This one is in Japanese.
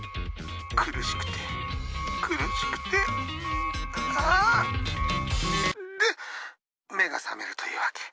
苦しくて苦しくてああっで目が覚めるというわけ。